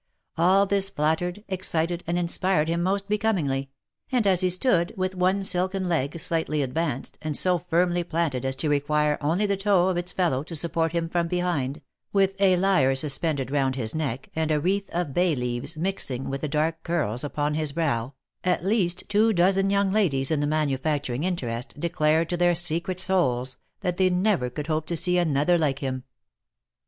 All this flattered, excited, and inspired him most becomingly ; and as he stood with one silken leg slightly advanced, and so firmly planted as to require only the toe of its fellow to support him from behind, with a lyre suspended round his neck, and a wreath of bay leaves mixing with the dark curls upon his brow, at least two dozen young ladies in the manufacturing interest declared to their secret souls that they never could hope to see another like him.